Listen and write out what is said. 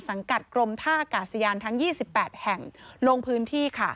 สังกัดกรมท่ากาศยานทั้ง๒๘แห่งลงพื้นที่ค่ะ